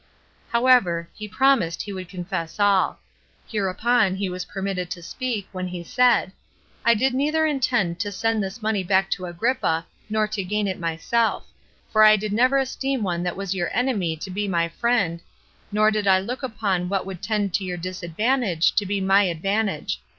However, he promised he would confess all: hereupon he was permitted to speak, when he said, "I did neither intend to send this money back to Agrippa, nor to gain it myself; for I did never esteem one that was your enemy to be my friend, nor did I look upon what would tend to your disadvantage to be my advantage.